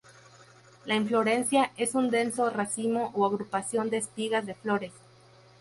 La inflorescencia es un denso racimo o agrupación de espigas de flores.